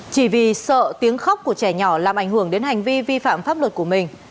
chỉ vì sợ tiếng khóc của trẻ nhỏ làm ảnh hưởng đến hành vi vi phạm pháp luật của mình